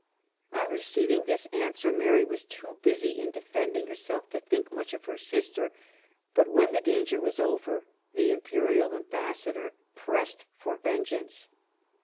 On receiving this answer, Mary was too busy in defending herself to think much of her sister; but when the danger was over, the imperial ambassador pressed for vengeance.